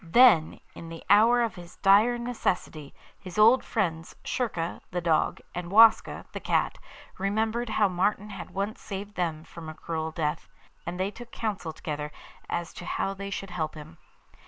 Then, in the hour of his dire necessity, his old friends Schurka (the dog) and Waska (the cat) remembered how Martin had once saved them from a cruel death; and they took counsel together as to how they should help him.